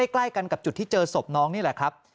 ใกล้กันกับจุดที่เจอศพน้องนี่แหละครับ